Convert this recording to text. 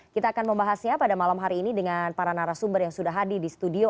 kita akan membahasnya pada malam hari ini dengan para narasumber yang sudah hadir di studio